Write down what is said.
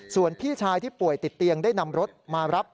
ส่วนพี่ชายที่ป่วยติดเตียงได้นำรถมารับ